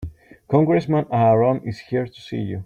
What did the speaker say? Congressman Aaron is here to see you.